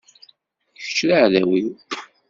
Kečč d aεdaw-iw.